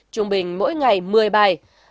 trung bình mỗi ngày một mươi bài viết